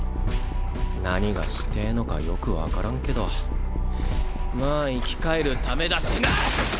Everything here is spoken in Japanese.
何がしてぇのかよく分からんけどまあ生き返るためだしな！